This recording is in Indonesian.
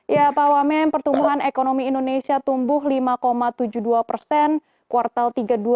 ya pak wamen pertumbuhan ekonomi indonesia tumbuh lima tujuh puluh dua persen kuartal tiga dua ribu dua puluh